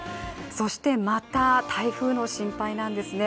そして、また台風の心配なんですね。